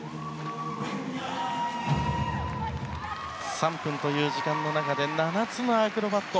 ３分という時間の中で７つのアクロバット。